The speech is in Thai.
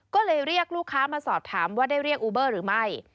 ก็เลยเรียกลูกค้ามาสอบถามว่าได้เรียกอูเบอร์หรือไม่